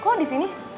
kok lo disini